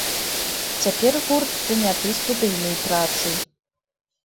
Цяпер гурт заняты студыйнай працай.